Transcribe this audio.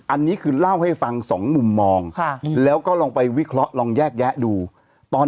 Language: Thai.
อันนี้คือเล่าให้ฟังสองมุมมองแล้วก็ลองไปวิเคราะห์ลองแยกแยะดูตอน